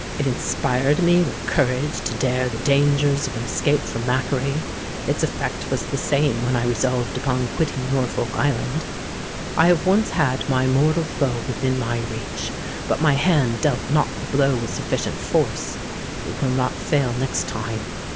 It inspired me with courage to dare the dangers of an escape from Macquarie: its effect was the same when I resolved upon quitting Norfolk Island. I have once had my mortal foe within my reach; but my hand dealt not the blow with sufficient force. It will not fail next time.